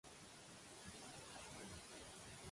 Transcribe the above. Què proposa Alonso per millorar aquest problema?